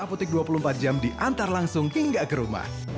apotik dua puluh empat jam diantar langsung hingga ke rumah